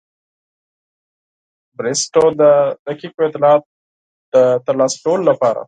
بریسټو د دقیقو اطلاعاتو د ترلاسه کولو لپاره.